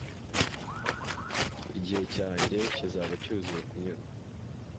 Igihe cyanjye kizaba cyuzuye kunyurwa